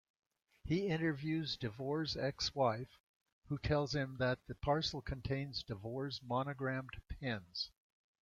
He interviews Devore's ex-wife, who tells him that the parcel contained Devore's monogrammed pens.